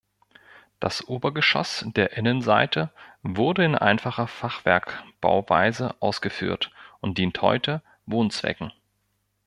Das Obergeschoss der Innenseite wurde in einfacher Fachwerkbauweise ausgeführt und dient heute Wohnzwecken.